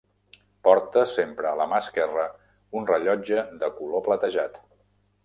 Porta sempre a la mà esquerra un rellotge de color platejat.